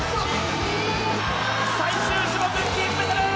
最終種目金メダル！